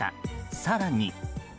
更に。